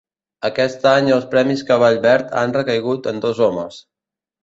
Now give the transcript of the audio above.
Aquest any els premis Cavall Verd han recaigut en dos homes